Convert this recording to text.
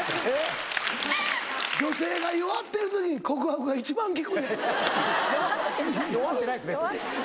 女性が弱ってる時に告白が一番効くんや。